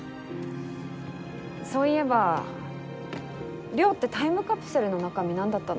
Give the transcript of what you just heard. そういえば稜ってタイムカプセルの中身なんだったの？